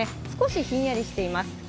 少しひんやりしています。